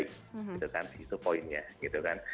gitu kan itu poinnya gitu kan